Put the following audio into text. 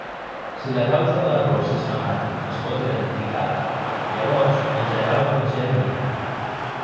Si la causa de l'error sistemàtic es pot identificar, llavors en general pot ser eliminat.